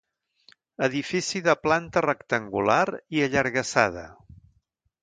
Edifici de planta rectangular i allargassada.